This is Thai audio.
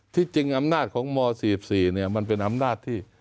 ที่จริงอำนาจของม๔๔มันเป็นอำนาจที่